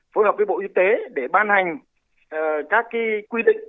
phối hợp với bộ y tế để ban hành các quy định